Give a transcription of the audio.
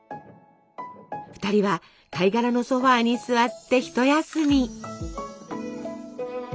２人は貝殻のソファーに座って一休み。